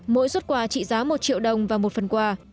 mỗi xuất quà trị giá một triệu đồng và một phần quà